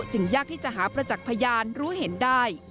ยากที่จะหาประจักษ์พยานรู้เห็นได้